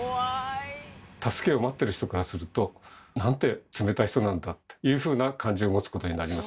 助けを待ってる人からすると「なんて冷たい人なんだ」というふうな感じを持つことになりますね。